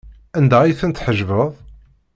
Anda ay tent-tḥejbeḍ?